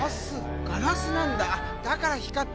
ガラスなんだあっ